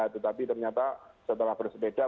tetapi ternyata setelah bersepeda